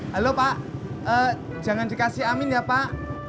halo pak jangan dikasih amin ya pak